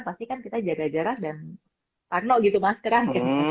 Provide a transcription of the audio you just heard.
pastikan kita jaga jarak dan parno gitu maskeran